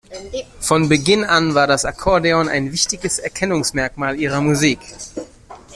Von Beginn an war das Akkordeon ein wichtiges Erkennungsmerkmal ihrer Musik.